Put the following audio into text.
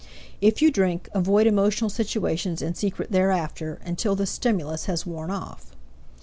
If you drink, avoid emotional situations in secret thereafter, until this stimulus has worn off.